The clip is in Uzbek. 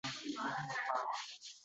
Jaranglagan ruboiylar!